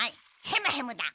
ヘムヘムだ。